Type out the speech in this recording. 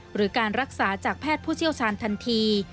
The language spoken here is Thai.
หรือการรักษาจากแพทย์ผู้เชี่ยวชาญทันที